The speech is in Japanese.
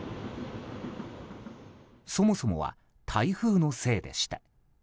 そもそもは台風のせいでした。